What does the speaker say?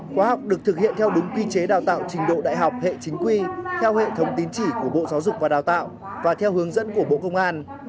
khóa học được thực hiện theo đúng quy chế đào tạo trình độ đại học hệ chính quy theo hệ thống tín chỉ của bộ giáo dục và đào tạo và theo hướng dẫn của bộ công an